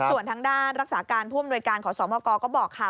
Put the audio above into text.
ส่วนทางด้านรักษาการผู้อำนวยการขอสมกก็บอกค่ะ